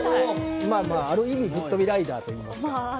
ある意味ぶっとびライダーといいますか。